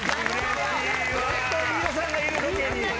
やっと飯尾さんがいるロケに。